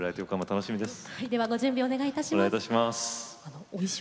楽しみです。